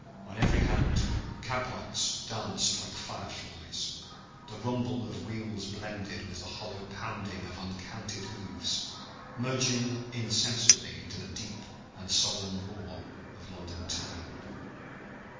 On every hand cab lamps danced like fire flies; the rumble of wheels blended with the hollow pounding of uncounted hoofs, merging insensibly into the deep and solemn roar of London town.